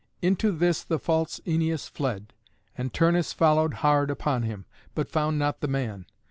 Into this the false Æneas fled, and Turnus followed hard upon him, but found not the man.